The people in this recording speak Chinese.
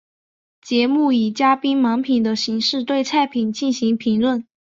节目以嘉宾盲品的形式对菜品进行评论。